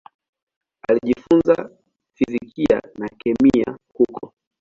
Alijifunza fizikia na kemia huko.